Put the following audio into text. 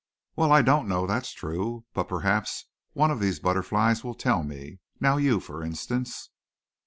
"Well, I don't know, that's true, but perhaps one of these butterflies will tell me. Now you, for instance."